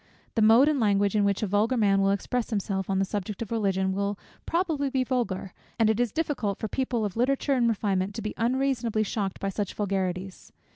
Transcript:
The mode and language, in which a vulgar man will express himself on the subject of Religion, will probably be vulgar, and it is difficult for people of literature and refinement not to be unreasonably shocked by such vulgarities.